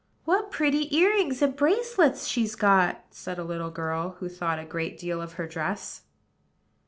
"What pretty earrings and bracelets she's got!" said a little girl, who thought a great deal of her dress.